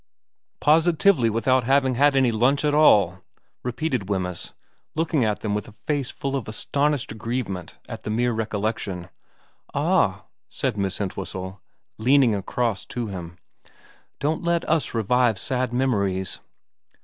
' Positively without having had any lunch at all,' repeated Wemyss, looking at them with a face full of astonished aggrievement at the mere recollection. vm VERA 81 ' Ah,' said Miss Entwhistle, leaning across to him, ' don't let us revive sad memories.'